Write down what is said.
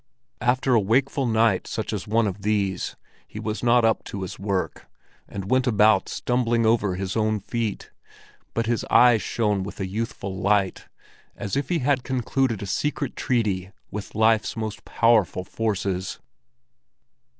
After a wakeful night such as one of these, he was not up to his work, and went about stumbling over his own feet; but his eyes shone with a youthful light, as if he had concluded a secret treaty with life's most powerful forces.